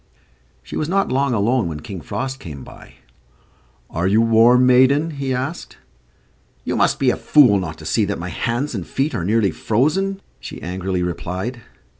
She was not long alone when King Frost came by. "Are you warm, maiden?" he asked. "You must be a fool not to see that my hands and feet are nearly frozen," she angrily replied.